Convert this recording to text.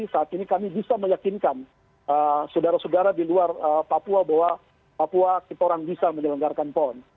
saat ini kami bisa meyakinkan saudara saudara di luar papua bahwa papua kita orang bisa menyelenggarakan pon